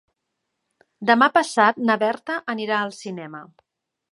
Demà passat na Berta anirà al cinema.